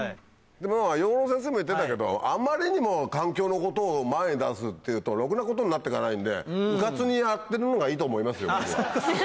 養老先生も言ってたけどあまりにも環境のことを前に出すっていうとろくなことになってかないんでうかつにやってるのがいいと思いますけどね俺は。